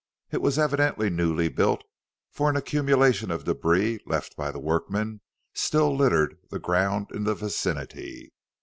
It was evidently newly built, for an accumulation of débris, left by the workmen, still littered the ground in the vicinity.